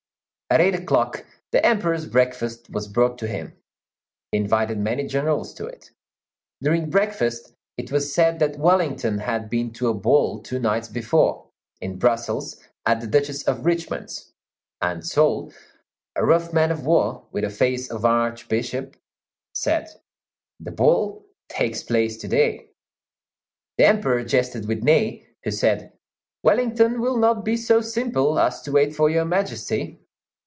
At eight o'clock the Emperor's breakfast was brought to him. He invited many generals to it. During breakfast, it was said that Wellington had been to a ball two nights before, in Brussels, at the Duchess of Richmond's; and Soult, a rough man of war, with a face of an archbishop, said, "The ball takes place to day." The Emperor jested with Ney, who said, "Wellington will not be so simple as to wait for Your Majesty."